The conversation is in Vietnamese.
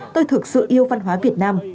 tôi thực sự yêu văn hóa việt nam